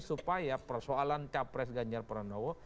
supaya persoalan capres ganjar pranowo